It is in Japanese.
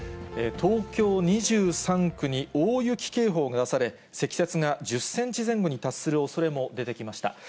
東京２３区に大雪警報が出され、積雪が１０センチ前後に達するおそれも出てきました。